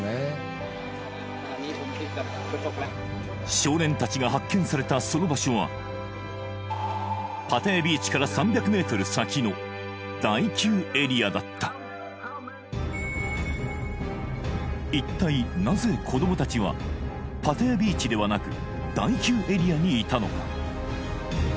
少年達が発見されたその場所はパタヤビーチから３００ｍ先の第９エリアだった一体なぜ子ども達はパタヤビーチではなく第９エリアにいたのか？